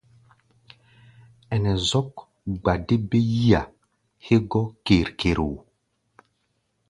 Ɛnɛ zɔ́k gba dé bé yí-a hégɔ́ ker-ker wo.